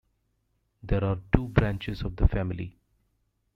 There are two branches of the family.